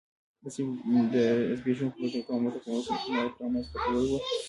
د زبېښونکو بنسټونو او متمرکز حکومت رامنځته کول و